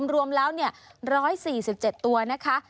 รวมแล้วเนี่ยร้อยสี่สิบเจ็ดตัวนะคะ